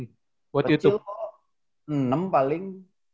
percil kok enam paling